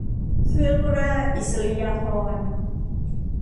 เครื่องราชอิสริยาภรณ์